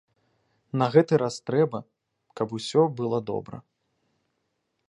На гэты раз трэба, каб усё было добра.